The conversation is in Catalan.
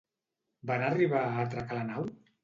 Van arribar a atracar la nau?